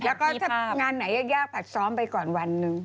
แล้วก็ถ้างานไหนยากผัดซ้อมไปก่อนวันหนึ่ง